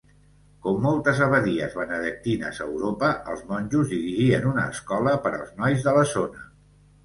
Com moltes abadies benedictines a Europa, els monjos dirigien una escola per als nois de la zona.